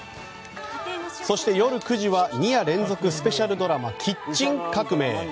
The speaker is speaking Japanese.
そして、夜９時は２夜連続スペシャルドラマ「キッチン革命」。